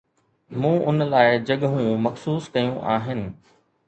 مون ان لاءِ جڳھون مخصوص ڪيون آھن.